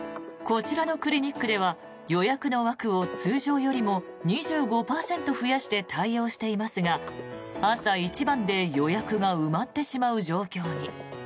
こちらのクリニックでは予約の枠を通常よりも２５％増やして対応していますが朝一番で予約が埋まってしまう状況に。